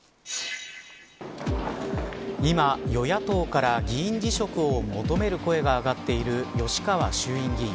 今、与野党から議員辞職を求める声が上がっている吉川衆議院議員。